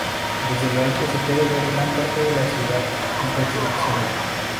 Desde lo alto se puede ver gran parte de la nueva ciudad en construcción.